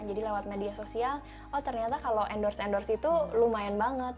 jadi lewat media sosial oh ternyata kalau endorse endorse itu lumayan banget